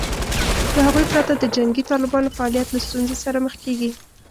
له هغوی پرته د جنګي طالبانو فعالیت له ستونزې سره مخ کېږي